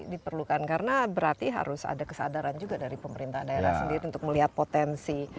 diperlukan karena berarti harus ada kesadaran juga dari pemerintah daerah sendiri untuk melihat potensi